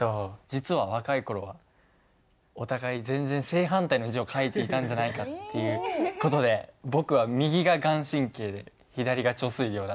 実は若い頃はお互い全然正反対の字を書いていたんじゃないかっていう事で僕は右が顔真で左が遂良だと思います。